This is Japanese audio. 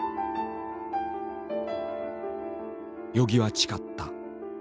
与儀は誓った。